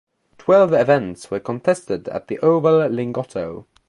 Twelve events were contested at the Oval Lingotto.